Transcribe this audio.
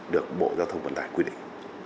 được bộ giao thông vận tải quy định